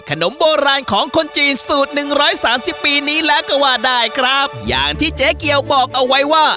ขนมโบราณของคนจีนสูตรหนึ่งร้อยสามสิบปีนี้แล้วก็ว่าได้ครับอย่างที่เจ๊เกียวบอกเอาไว้ว่า